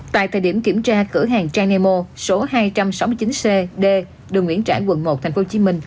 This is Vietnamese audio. tại thời điểm kiểm tra cửa hàng tranemo số hai trăm sáu mươi chín c d đường nguyễn trãi quận một tp hcm